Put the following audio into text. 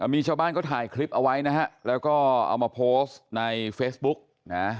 มีชาวบ้านเขาถ่ายคลิปเอาไว้นะฮะแล้วก็เอามาโพสต์ในเฟซบุ๊กนะ